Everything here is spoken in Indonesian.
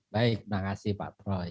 baik terima kasih pak troy